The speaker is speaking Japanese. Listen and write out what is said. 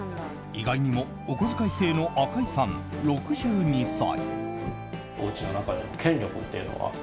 意外にも、お小遣い制の赤井さん、６２歳。